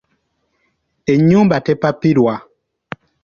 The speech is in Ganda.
Ennyumba tepapirwa.